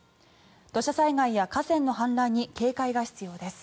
土砂災害や河川の氾濫に警戒が必要です。